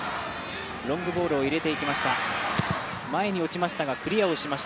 ロングボールを入れていきました。